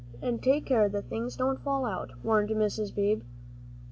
"An' take care the things don't fall out," warned Mrs. Beebe.